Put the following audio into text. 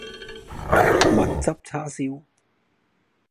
蜜汁叉燒